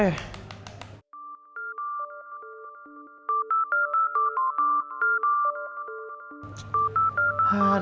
tunggu gue mau tanya